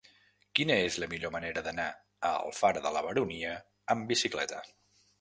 Quina és la millor manera d'anar a Alfara de la Baronia amb bicicleta?